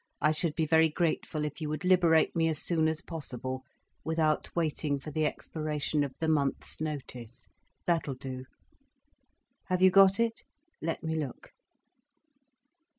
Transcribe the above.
I should be very grateful if you would liberate me as soon as possible, without waiting for the expiration of the month's notice.' That'll do. Have you got it? Let me look.